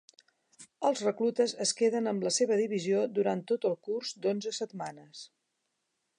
Els reclutes es queden amb la seva divisió durant tot el curs d'onze setmanes.